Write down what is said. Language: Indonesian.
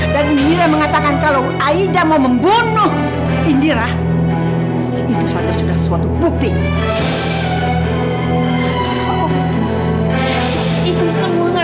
dan indira mengatakan kalau aida mau membunuh indira itu saja sudah suatu bukti itu semua